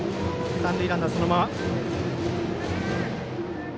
三塁ランナーそのままでした。